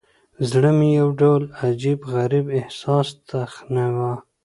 زړه مې يو ډول عجيب، غريب احساس تخنوه.